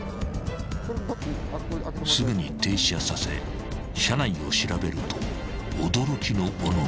［すぐに停車させ車内を調べると驚きの物が］